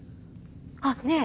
あっねえ！